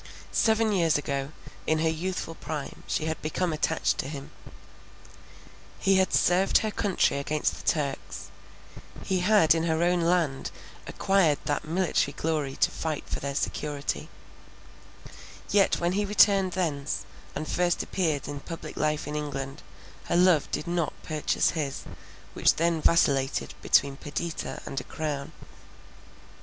Seven years ago, in her youthful prime, she had become attached to him; he had served her country against the Turks; he had in her own land acquired that military glory peculiarly dear to the Greeks, since they were still obliged inch by inch to fight for their security. Yet when he returned thence, and first appeared in public life in England, her love did not purchase his, which then vacillated between Perdita and a crown.